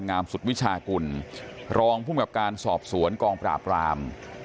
งามสุดวิชากุลรองภูมิกับการสอบสวนกองปราบราม